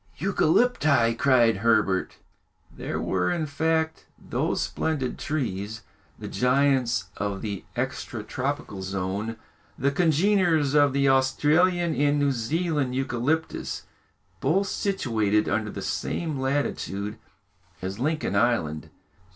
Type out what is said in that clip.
"Eucalypti!" cried Herbert. They were, in fact, those splendid trees, the giants of the extra tropical zone, the congeners of the Australian and New Zealand eucalyptus, both situated under the same latitude as Lincoln Island.